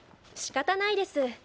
しかたないです。